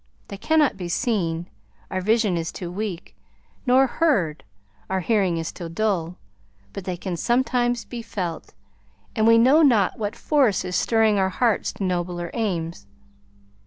They cannot be seen, our vision is too weak; nor heard, our hearing is too dull; but they can sometimes be felt, and we know not what force is stirring our hearts to nobler aims.